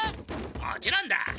もちろんだ。